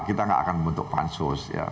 kita tidak akan membentuk pansus